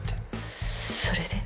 それで？